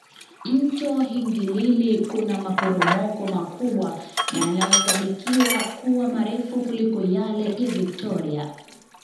Mto Hingilili kuna maporomoko makubwa na yanayosadikiwa kuwa marefu kuliko yale ya Victoria